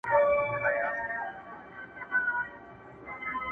په لس ګونو چي مي خپل خپلوان وژلي،